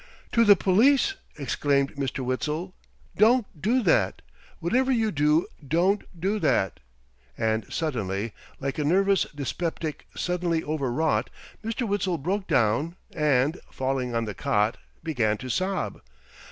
"To the police!" exclaimed Mr. Witzel. "Don't do that! Whatever you do, don't do that!" And suddenly, like a nervous dyspeptic suddenly overwrought, Mr. Witzel broke down and, falling on the cot, began to sob.